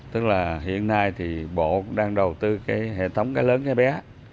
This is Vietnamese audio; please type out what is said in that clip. tức là hiện nay thì bộ đang đầu tư cái hệ thống cái lớn cái bé